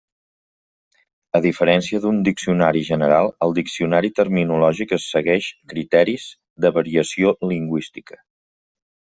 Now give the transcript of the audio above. A diferència d'un diccionari general, el diccionari terminològic segueix criteris de variació lingüística.